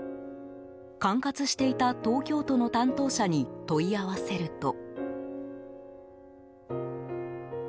管轄していた東京都の担当者に問い合わせると。